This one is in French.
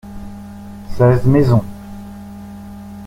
Seize maisons.